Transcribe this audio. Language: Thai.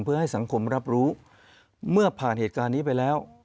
เพื่อให้สังคมรับรู้เมื่อผ่านเหตุการณ์นี้ไปแล้ว